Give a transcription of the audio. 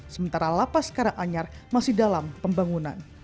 sementara lapas karanganyar masih dalam pembangunan